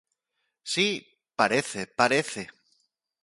Si, parece, parece.